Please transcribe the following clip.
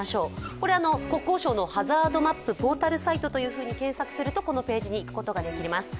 これ、国交省のハザードマップポータルサイトと検索すると検索するとこのページにいくことができます。